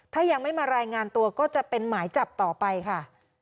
ถ้ายังไม่มารายงานตัวก็จะเป็นหมายจับต่อไปค่ะ